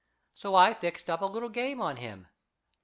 So I fixed up a little game on him.